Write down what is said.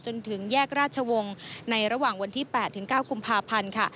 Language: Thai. จนถึงแยกราชวงศ์ในระหว่างวันที่๘ถึง๙กุมภาพันธ์ค่ะ